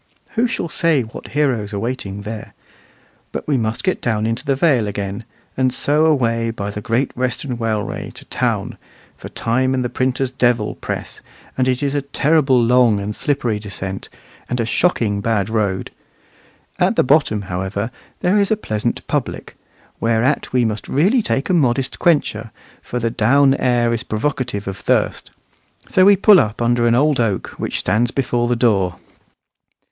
Who shall say what heroes are waiting there? But we must get down into the Vale again, and so away by the Great Western Railway to town, for time and the printer's devil press, and it is a terrible long and slippery descent, and a shocking bad road. At the bottom, however, there is a pleasant public; whereat we must really take a modest quencher, for the down air is provocative of thirst. So we pull up under an old oak which stands before the door.